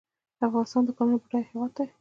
افغانستان د کانونو بډایه هیواد دی